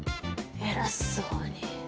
偉そうに。